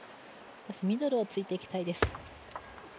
ミドルを突いていきたいです。